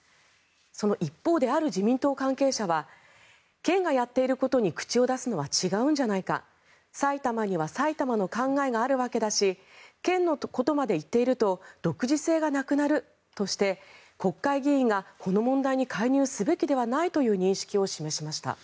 その一方である自民党関係者は県がやっていることに口を出すのは違うんじゃないか埼玉には埼玉の考えがあるわけだし県のことまで言っていると独自性がなくなるとして国会議員がこの問題に介入すべきではないという認識を示しました。